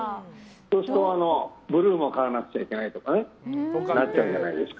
そうすると、ブルーも買わなくちゃいけないとかなっちゃうじゃないですか。